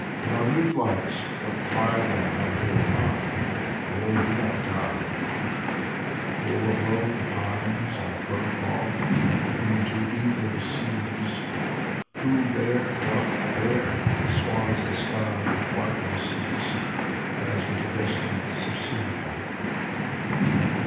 There are new flights, but Try them I dare not. Oh, do not die!" " Oh, above the pines I float ofiE into asther seas. Who, there, what, there, Swathes the sky with whitenesses, As with vestments of silver?"